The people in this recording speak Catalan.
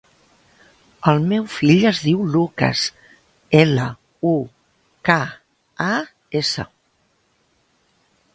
El meu fill es diu Lukas: ela, u, ca, a, essa.